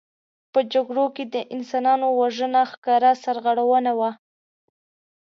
په جګړو کې د انسانانو وژنه ښکاره سرغړونه وه.